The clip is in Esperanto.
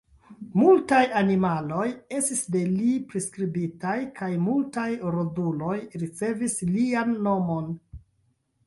Multaj animaloj estis de li priskribitaj kaj multaj roduloj ricevis lian nomon.